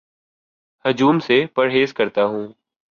ہجوم سے پرہیز کرتا ہوں